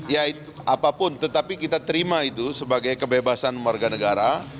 ya itu apapun tetapi kita terima itu sebagai kebebasan warga negara